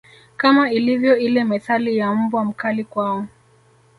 Kama ilivyo ile methali ya mbwa mkali kwao